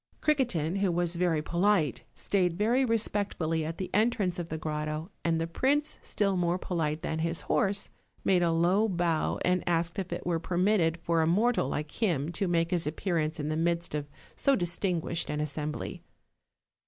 Criquetin, who was very polite, stayed very respectfully at the entrance of the grotto, and the prince, still more polite than his horse, made a low bow and asked if it were permitted for a mortal like him to make his appearance in the midst of so distinguished an assembly.